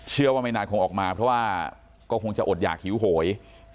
ไม่นานคงออกมาเพราะว่าก็คงจะอดหยากหิวโหย